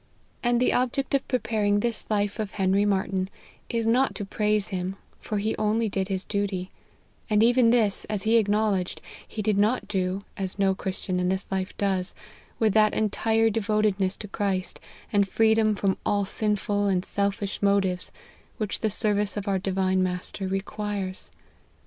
And the object of preparing this life of Henry Martyn, is not to praise him, for he only did his duty ; and even this, as he acknowledged, he did not do, (as no Christian in this life does,) with that entire devot edness to Christ, and freedom from all sinful and sel fish motives which the service of our Divine mastei requires.